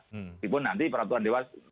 tapi pun nanti peraturan dewan